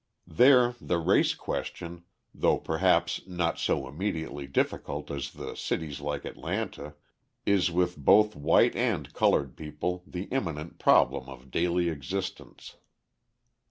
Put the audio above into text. There the race question, though perhaps not so immediately difficult as in cities like Atlanta, is with both white and coloured people the imminent problem of daily existence.